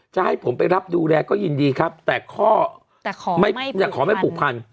จะให้ผมไปรับดูแลก็ยินดีครับแต่ข้อแต่ขอไม่ผูกพัน